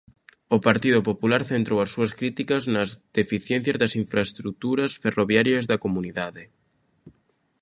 O Partido Popular centrou as súas críticas nas deficiencias das infraestruturas ferroviarias da comunidade.